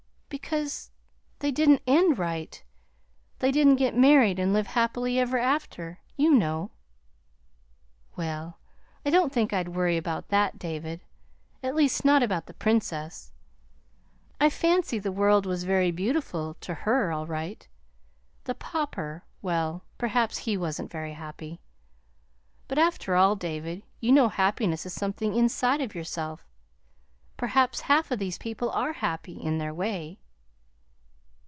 "Because they didn't end right. They didn't get married and live happy ever after, you know." "Well, I don't think I'd worry about that, David, at least, not about the Princess. I fancy the world was very beautiful to her, all right. The Pauper well, perhaps he wasn't very happy. But, after all, David, you know happiness is something inside of yourself. Perhaps half of these people are happy, in their way."